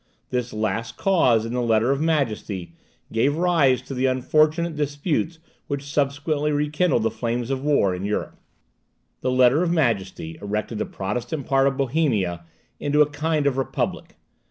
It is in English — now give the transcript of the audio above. This last clause in the Letter of Majesty gave rise to the unfortunate disputes which subsequently rekindled the flames of war in Europe. The Letter of Majesty erected the Protestant part of Bohemia into a kind of republic.